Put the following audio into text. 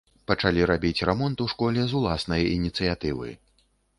Пачалі рабіць рамонт у школе з уласнай ініцыятывы.